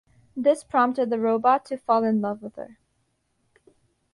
This prompted the robot to fall in love with her.